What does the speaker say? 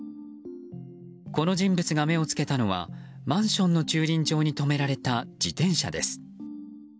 この人物が目を付けたのはマンションの駐輪場に止められた自転車です。